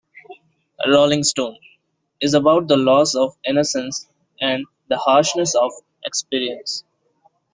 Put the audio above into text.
'Rolling Stone' is about the loss of innocence and the harshness of experience.